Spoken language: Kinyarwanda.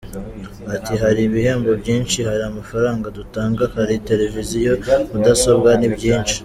Ati “Hari ibihembo byinshi; hari amafaranga dutanga, hari televiziyo, mudasobwa, ni byinshi.